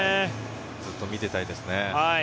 ずっと見てたいですね。